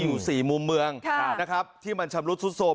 อยู่สี่มุมเมืองครับนะครับที่มันชำลุตซุตโศลม